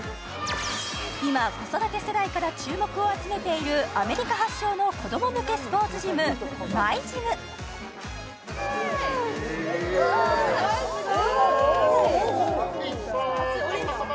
今子育て世代から注目を集めているアメリカ発祥の子供向けスポーツジムＭｙＧｙｍ・すごーい！